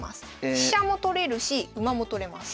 飛車も取れるし馬も取れます。